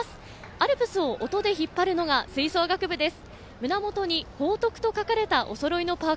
アルプスを音で引っ張るのが吹奏楽部です。